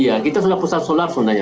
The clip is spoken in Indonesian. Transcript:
iya kita sudah pusat solar sebenarnya